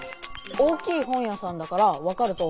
大きい本屋さんだから分かると思う。